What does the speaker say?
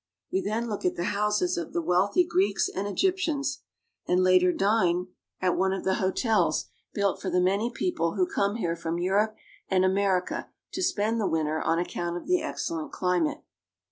We then look at the houses of the wealthy Greeks and Egyptians, and later dine at 98 AFRICA one of the hotels built for the many people who come here from Europe and America to spend the winter on account of the excellent climate.